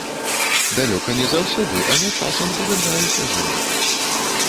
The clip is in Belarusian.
Далёка не заўсёды, але часам пагаджаюся з ім.